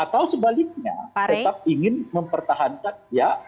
tetap ingin mempertahankan